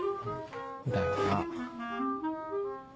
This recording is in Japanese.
だよな。